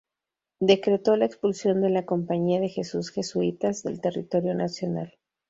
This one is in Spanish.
Decretó la expulsión de la Compañía de Jesús jesuitas del territorio nacional.